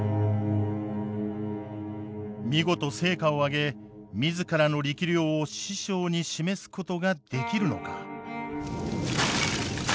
見事成果を上げ自らの力量を師匠に示すことができるのか。